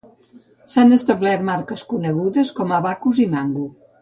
S'han establert marques conegudes com a Abacus i Mango.